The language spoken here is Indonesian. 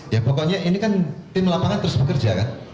ya pokoknya ini kan tim lapangan terus bekerja kan